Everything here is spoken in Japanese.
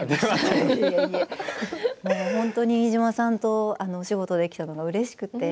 本当に飯島さんとお仕事できたのがうれしくて。